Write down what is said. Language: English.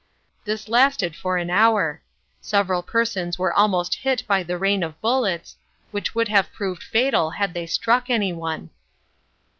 This lasted for an hour. Several persons were almost hit by the rain of bullets, which would have proved fatal had they struck anyone.